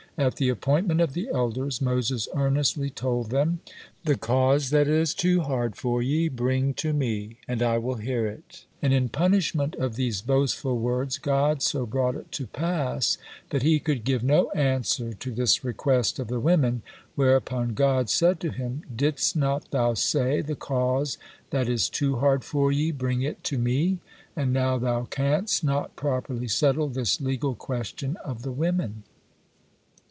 At the appointment of the elders, Moses earnestly told them, "The cause that is too hard for ye, bring to me, and I will hear it," and in punishment of these boastful words God so brought it to pass that he could give no answer to this request of the women, whereupon God said to him, "Didst not thou say, 'the cause that is too hard for ye, bring it to me?' and now thou canst not properly settle this legal question of the women."